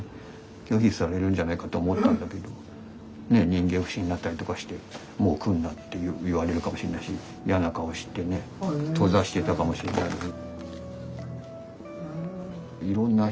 拒否されるんじゃないかって思ったんだけど人間不信になったりとかしてもう来んなって言われるかもしんないしいやな顔してね閉ざしてたかもしんないのに。